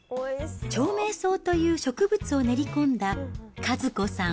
長命草という植物を練り込んだ、和子さん